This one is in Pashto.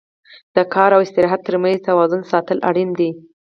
د کار او استراحت تر منځ توازن ساتل اړین دي.